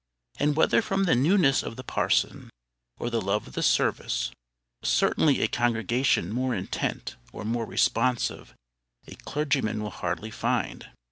And whether from the newness of the parson, or the love of the service, certainly a congregation more intent, or more responsive, a clergyman will hardly find.